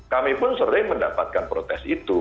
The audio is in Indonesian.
kami pun sering mendapatkan protes itu